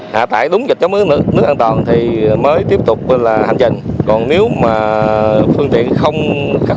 hạ tải đúng dịch chống nước an toàn thì mới tiếp tục hành trình còn nếu mà phương tiện không khắc